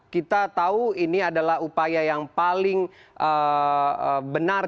kita tahu ini adalah upaya yang paling benar